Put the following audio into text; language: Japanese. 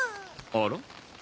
あら？